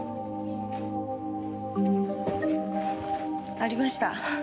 ありました。